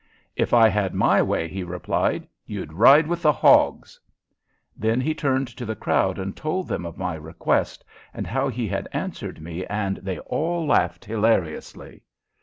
"If I had my way," he replied, "you'd ride with the hogs!" Then he turned to the crowd and told them of my request and how he had answered me, and they all laughed hilariously.